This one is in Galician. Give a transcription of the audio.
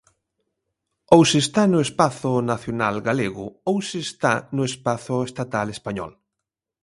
Ou se está no espazo nacional galego ou se está no espazo estatal español.